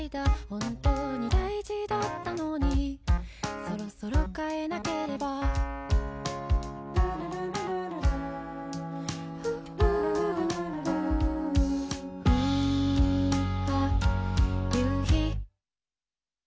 本当に大事だったのにそろそろ変えなければあ、夕陽。